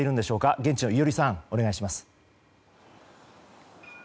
現地の伊従さん、お願いします。